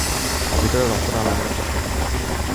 ভেতরে রক্ত না লাগানোর চেষ্টা কোরো।